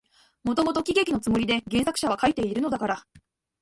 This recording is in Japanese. もともと喜劇のつもりで原作者は書いているのだから、